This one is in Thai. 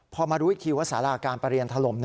พอมารู้อีกทีว่าสาราการประเรียนถล่ม